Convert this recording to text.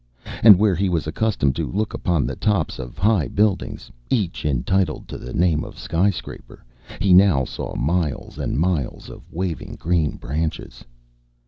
And where he was accustomed to look upon the tops of high buildings each entitled to the name of "skyscraper" he now saw miles and miles of waving green branches.